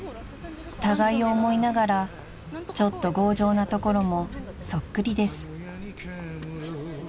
［互いを思いながらちょっと強情なところもそっくりです］